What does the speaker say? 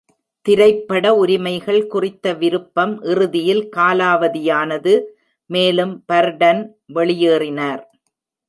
திரைப்பட உரிமைகள் குறித்த விருப்பம் இறுதியில் காலாவதியானது, மேலும் பர்டன் வெளியேறினார்.